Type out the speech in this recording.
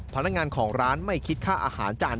พนักงานของร้านไม่คิดค่าอาหารจาน